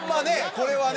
これはね。